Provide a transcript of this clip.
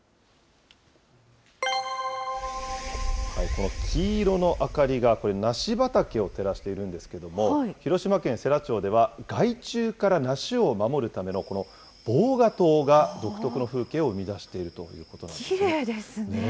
この黄色の明かりが、これ、梨畑を照らしているんですけれども、広島県世羅町では、害虫から梨を守るためのこの、防が灯が、独特の風景を生み出しているということなんですね。